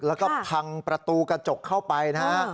แล้วก็พังประตูกระจกเข้าไปนะฮะ